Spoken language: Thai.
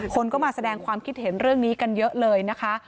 คนก็มาแสดงความคิดเห็นเรื่องนี้กันเยอะเลยนะคะ